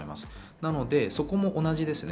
なのでそこも同じですね。